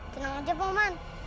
tenang aja pohman